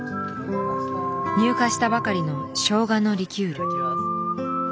入荷したばかりのしょうがのリキュール。